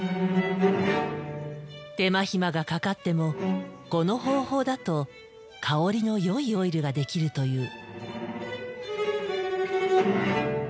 手間暇がかかってもこの方法だと香りのよいオイルが出来るという。